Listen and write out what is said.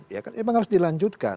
ya kan memang harus dilanjutkan